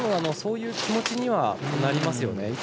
そういう気持ちにはなりますよね。